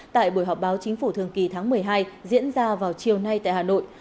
tại buổi họp báo chính phủ thường kỳ tháng một mươi hai diễn ra vào chiều nay tại hà nội